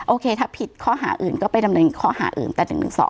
โอเคถ้าผิดข้อหาอื่นก็ไปดำเนินข้อหาอื่นแต่๑๑๒